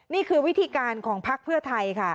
นี่คือวิธีการของพักเพื่อไทยค่ะ